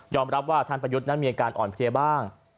รับว่าท่านประยุทธ์นั้นมีอาการอ่อนเพลียบ้าง